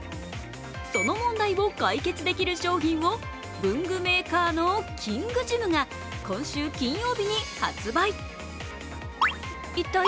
その問題を解決できる商品を文具メーカーのキングジムが今週金曜日に発売。